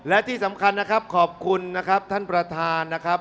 และที่สำคัญนะครับขอบคุณนะครับท่านประธานนะครับ